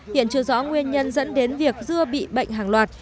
hiện chưa rõ nguyên nhân dẫn đến việc dưa bị bệnh hàng loạt